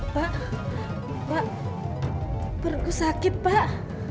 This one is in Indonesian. pak pak berku sakit pak